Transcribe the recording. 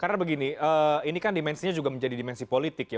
karena begini ini kan dimensinya juga menjadi dimensi politik ya